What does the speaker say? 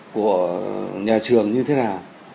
của nhà trường như thế nào